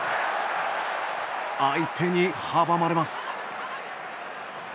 相手に阻まれます。